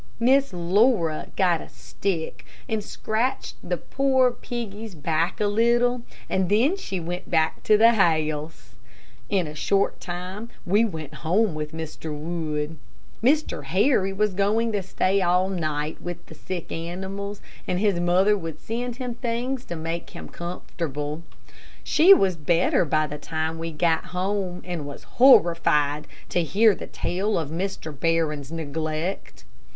Miss Laura got a stick and scratched poor piggy's back a little, and then she went back to the house. In a short time we went home with Mr. Wood. Mr. Harry was going to stay all night with the sick animals, and his mother would send him things to make him comfortable. She was better by the time we got home, and was horrified to hear the tale of Mr. Barron's neglect.